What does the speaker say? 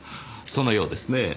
そのようですねぇ。